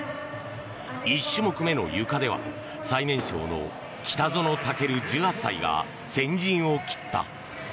１種目目のゆかでは最年少の北園丈琉、１８歳が先陣を切った。